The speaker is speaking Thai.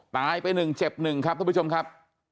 ตายไปหนึ่งเจ็บหนึ่งครับทุกผู้ชมครับ